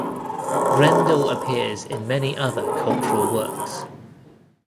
Grendel appears in many other cultural works.